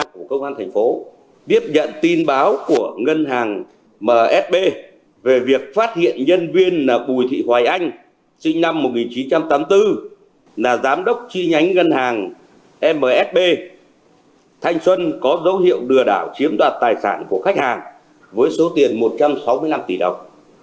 cụ thể thiếu tướng nguyễn thanh tùng phó giám đốc ngân hàng msb chi nhánh thanh xuân đã lừa đảo chiếm đoạt tài sản của tám bị hại với số tiền lên đến hàng trăm tỷ đồng